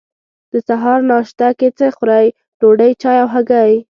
د سهار ناشته کی څه خورئ؟ ډوډۍ، چای او هګۍ